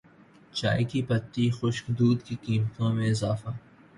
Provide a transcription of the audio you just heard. چائے کی پتی خشک دودھ کی قیمتوں میں اضافہ